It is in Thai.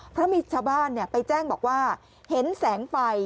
เพราะมีชาวบ้านไปแจ้งบอกว่าเห็นแสงไฟ